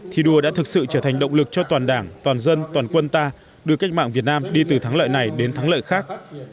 thi đua đã thực sự trở thành động lực cho toàn đảng toàn dân toàn quân ta đưa cách mạng việt nam đi từ thắng lợi này đến thắng lợi khác